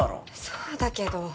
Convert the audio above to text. そうだけど。